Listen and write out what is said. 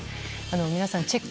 皆さん、チェック